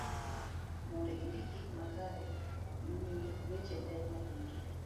mondo indik gik makare,i ng'i weche te matut